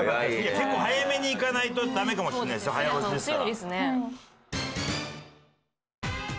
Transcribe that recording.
結構早めにいかないとダメかもしれないですよ早押しですから。